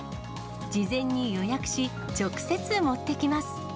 事前に予約し、直接持ってきます。